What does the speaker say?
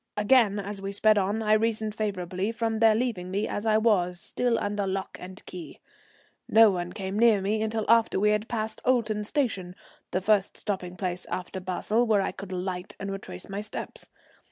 Again, as we sped on, I reasoned favourably from their leaving me as I was, still under lock and key. No one came near me until after we had passed Olten station, the first stopping place after Basle, where I could alight and retrace my steps.